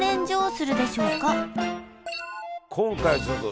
今回はちょっと。